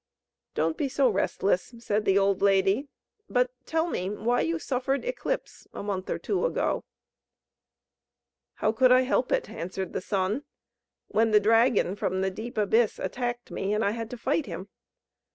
"Don't be so restless," said the old lady; "but tell me why you suffered eclipse a month or two ago." "How could I help it?" answered the Sun; "When the dragon from the deep abyss attacked me, and I had to fight him?